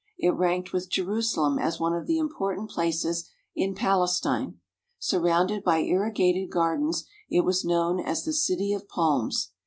It ranked with Jerusalem as one of the important places in Palestine. Surrounded by irrigated gardens, it was known as the City of Palms.